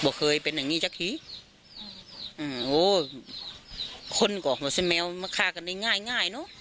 ก็เคยเป็นอย่างงี้จักทีเอิ้นโหคนก็เจ็บแมวมาฆากันได้ง่ายง่ายเนอะ